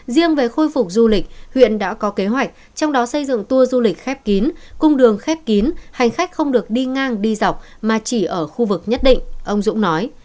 riêng về khôi phục du lịch huyện đã có kế hoạch trong đó xây dựng tour du lịch khép kín cung đường khép kín hành khách không được đi ngang đi dọc mà chỉ ở khu vực nhất định ông dũng nói